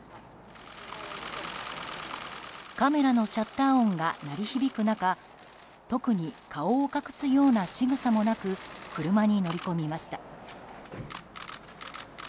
カメラのシャッター音が鳴り響く中特に顔を隠すようなしぐさもなく車に乗り込みました。